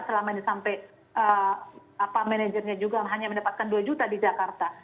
sampai manajernya juga hanya mendapatkan dua juta di jakarta